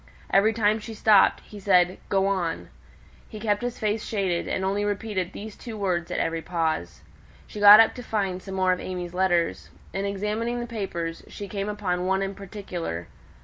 Every time she stopped, he said, "Go on." He kept his face shaded, and only repeated those two words at every pause. She got up to find some more of AimÄe's letters. In examining the papers, she came upon one in particular.